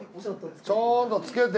ちょっとつけて。